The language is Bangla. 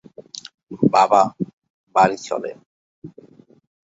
বাবা, বাড়ি চলেন!